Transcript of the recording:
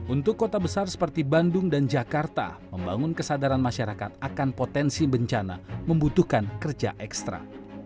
untuk kota besar seperti bandung dan jakarta membangun kesadaran masyarakat akan potensi bencana membutuhkan kerja ekstra